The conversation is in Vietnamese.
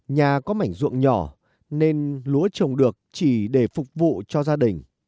nhà có mảnh ruộng nhỏ nên lúa trồng được chỉ để phục vụ cho gia đình